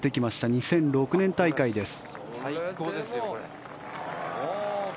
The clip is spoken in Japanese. ２００６年大会です。